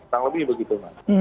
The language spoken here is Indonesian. tak lebih begitu